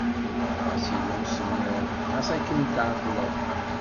Ɣas yella usemmiḍ, ɣas akken tɛeṭṭleḍ.